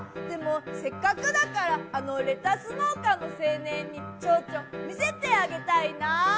でもせっかくだから、あのレタス農家の青年にちょっと見せてあげたいな。